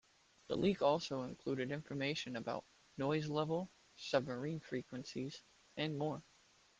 The leak also included information about noise levels, submarine frequencies and more.